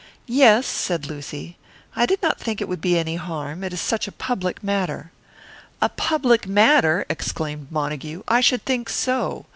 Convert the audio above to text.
"Yes," said Lucy. "I did not think it would be any harm. It is such a public matter " "A public matter!" exclaimed Montague. "I should think so!